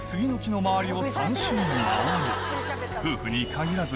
夫婦に限らず